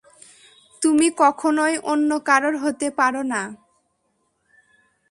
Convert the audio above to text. তুমি কখনই অন্য কারও হতে পারো না।